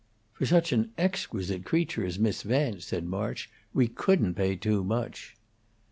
"For such an exquisite creature as Miss Vance," said March, "we couldn't pay too much."